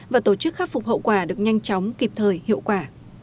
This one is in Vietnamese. và tổ chức khắc phục hậu quả được nhanh chóng kịp thời hiệu quả